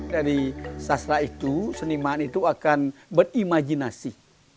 dari sastra itu seniman itu akan berimajinasi